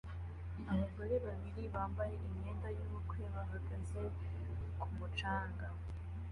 Abagore babiri bambaye imyenda yubukwe bahagaze ku mucanga